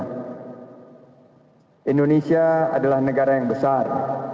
karena indonesia adalah negara yang besar